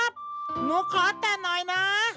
หนูขอแต่เลยนะ